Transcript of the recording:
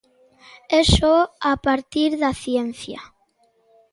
E só a partir da ciencia.